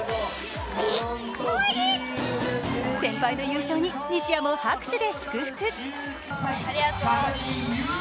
先輩の優勝に、西矢も拍手で祝福。